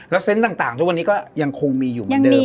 เซนต์ต่างทุกวันนี้ก็ยังคงมีอยู่เหมือนเดิม